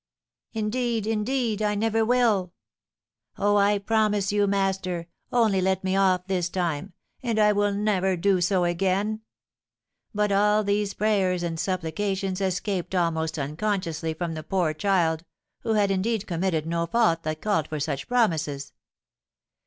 Indeed, indeed, I never will! Oh, I promise you, master; only let me off this time, and I will never do so again!' But all these prayers and supplications escaped almost unconsciously from the poor child, who had indeed committed no fault that called for such promises.